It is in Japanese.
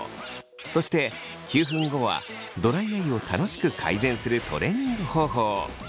そして９分後はドライアイを楽しく改善するトレーニング方法を。